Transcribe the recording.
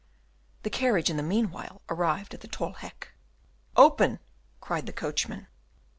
The carriage in the meanwhile arrived at the Tol Hek. "Open!" cried the coachman.